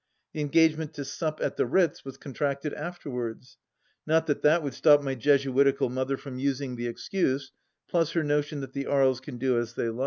The engagement to sup at the Ritz was contracted afterwards ; not that that would stop my Jesuitical mother from using the excuse, plus her notion that the Aries can do as they like.